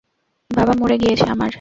বাবা মরে গিয়েছে আমার।